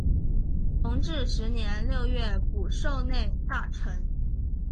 同治十年六月补授内大臣。